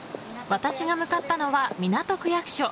私が向かったのは港区区役所。